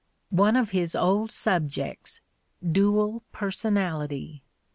'' One of his old subjects, Dual Personality!